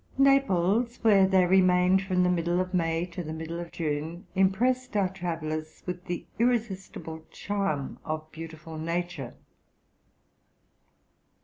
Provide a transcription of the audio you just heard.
Naples, where they remained from the middle of May to the middle of June, impressed our travellers with the irresistible charm of beautiful nature.